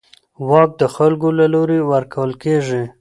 واک د خلکو له لوري ورکول کېږي